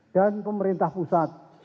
dan pemerintah pusat